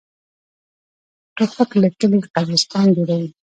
توپک له کلي قبرستان جوړوي.